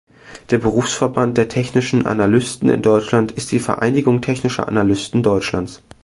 Der Berufsverband der Technischen Analysten in Deutschland ist die Vereinigung Technischer Analysten Deutschlands.